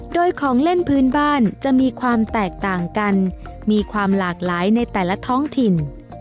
โดยของเล่นพื้นบ้านจะมีความแตกต่างกันมีความหลากหลายในแต่ละท้องถิ่น